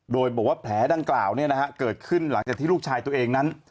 โดยบอกว่าแผลดังกล่าวเกิดขึ้นหลังจากที่ลูกชายตัวเองนั้น